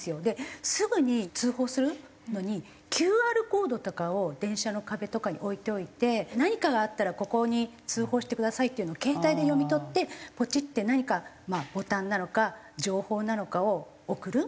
ですぐに通報するのにＱＲコードとかを電車の壁とかに置いておいて何かがあったらここに通報してくださいっていうのを携帯で読み取ってポチッて何かボタンなのか情報なのかを送る。